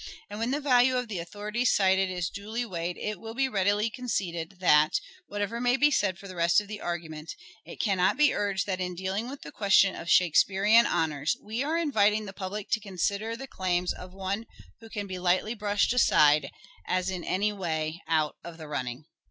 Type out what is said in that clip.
And when the value of the authorities cited is duly weighed it will be readily conceded that, whatever may be said for the rest of the argument, it cannot be urged that in dealing with the question of Shake spearean honours, we are inviting the public to consider the claims of one who can be lightly brushed aside, as in any way " out of the running."